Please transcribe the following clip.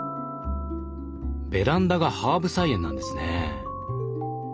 ベランダがハーブ菜園なんですね。